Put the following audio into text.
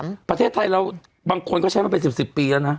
สำหรับประเทศไทยบางคนก็ใช้มาเป็นสิบปีแล้วนะ